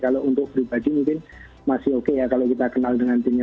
kalau untuk pribadi mungkin masih oke ya kalau kita kenal dengan timnya